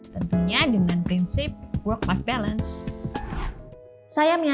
tentunya dengan prinsip work of balance